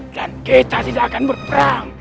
dan kita tidak akan berperang